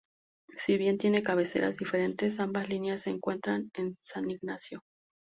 Si bien tienen cabeceras diferentes, ambas líneas se encuentran en San Ignacio.